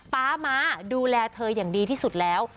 ป๊าม้าดูแลเธออย่างดีที่สุดแล้ว